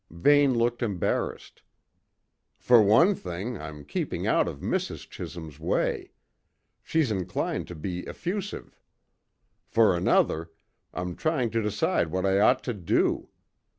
Vane looked embarrassed. "For one thing, I'm keeping out of Mrs. Chisholm's way; she's inclined to be effusive. For another, I'm trying to decide what I ought to do.